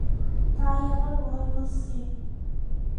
তাই আমার ভয় হচ্ছে।